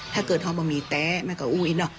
ถ้าเกิดฮอมบะหมี่แต๊ะแม่ก็อู้อีกเนอะ